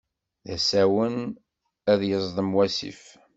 D asawen ad yeẓḍem wasif.